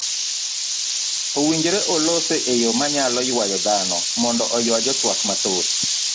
owinjore olose eyo manyalo yuayo dhano mondo oyua jotwak mathoth.